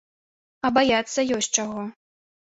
А баяцца ёсць чаго.